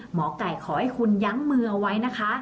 หมอไก่ขอให้คุณยั้งมือเอาไว้นะคะ